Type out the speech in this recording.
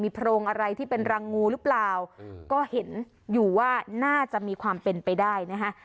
โพรงอะไรที่เป็นรังงูหรือเปล่าก็เห็นอยู่ว่าน่าจะมีความเป็นไปได้นะคะ